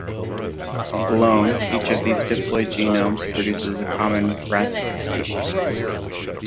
Alone, each of these diploid genomes produces a common "Brassica" species.